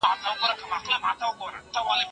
ټولنیز نهاد د ګډو ارزښتونو د پیاوړتیا لامل کېږي.